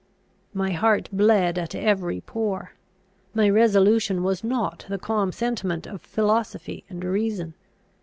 My heart bled at every pore. My resolution was not the calm sentiment of philosophy and reason.